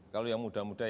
kalau yang muda mudian ya